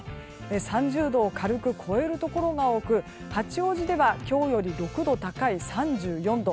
３０度を軽く超えるところが多く八王子では今日より６度高い３４度。